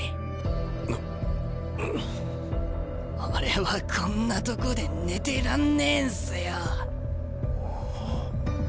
俺はこんなとこで寝てらんねえんすよ。